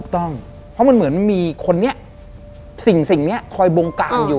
ถูกต้อง